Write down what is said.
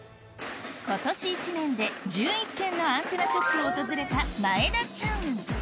今年一年で１１軒のアンテナショップを訪れた前田ちゃん